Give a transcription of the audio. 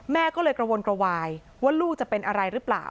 แม่ก็เลยกระวนกระวายว่าลูกจะเป็นอะไรหรือเปล่า